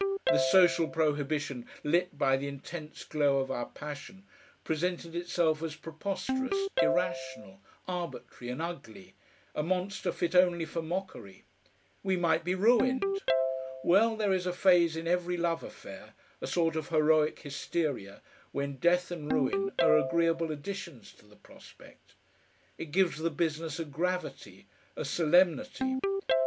The social prohibition lit by the intense glow of our passion, presented itself as preposterous, irrational, arbitrary, and ugly, a monster fit only for mockery. We might be ruined! Well, there is a phase in every love affair, a sort of heroic hysteria, when death and ruin are agreeable additions to the prospect. It gives the business a gravity, a solemnity.